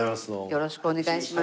よろしくお願いします。